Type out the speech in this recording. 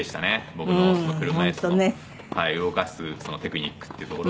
僕の車いすの動かすテクニックっていうところが。